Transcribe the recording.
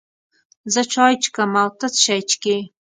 زه چای چکم، او ته څه شی چیکې؟